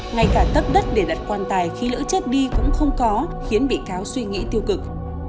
ngay cả tấp đất để đặt quan tài khi lỡ chết đi cũng không có khiến bị cáo suy nghĩ tiêu cực